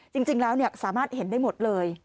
จริงแล้วสามารถเห็นได้หมดเลย